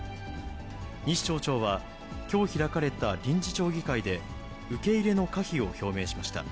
西町長はきょう開かれた臨時町議会で、受け入れの可否を表明しました。